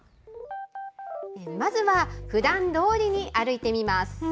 まずは、ふだんどおりに歩いてみます。